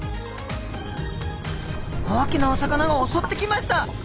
大きなお魚が襲ってきました。